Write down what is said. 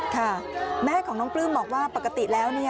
ค่ะแม่ของน้องปลื้มบอกว่าปกติแล้ว